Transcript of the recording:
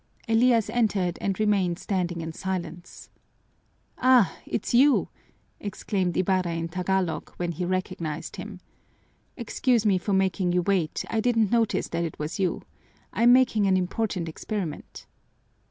Elias entered and remained standing in silence. "Ah, it's you!" exclaimed Ibarra in Tagalog when he recognized him. "Excuse me for making you wait, I didn't notice that it was you. I'm making an important experiment."